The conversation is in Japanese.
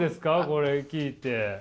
これ聞いて。